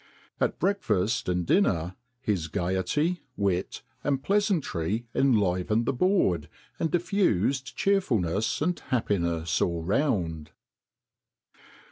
At breakfast and dinner his gaiety, wit, and pleasantry enlivened the board, and diffused cheerfulness and happiness all round."